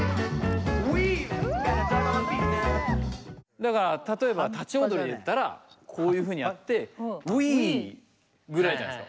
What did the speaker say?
だから例えば立ち踊りで言ったらこういうふうにやって「ウイー」ぐらいじゃないですか。